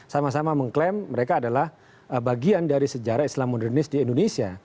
sama sama mengklaim mereka adalah bagian dari sejarah islam modernis di indonesia